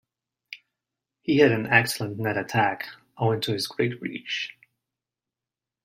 He had an excellent net attack, owing to his great reach.